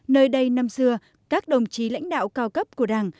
nơi đây năm xưa các đồng chí lãnh đạo cao cấp của đảng